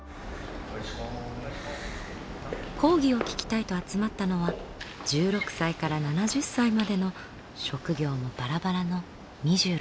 講義を聴きたいと集まったのは１６歳から７０歳までの職業もバラバラの２６人。